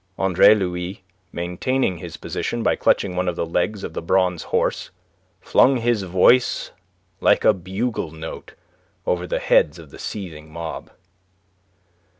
Andre Louis, maintaining his position by clutching one of the legs of the bronze horse, flung his voice like a bugle note over the heads of that seething mob.